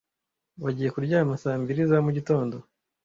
Wagiye kuryama saa mbiri za mugitondo?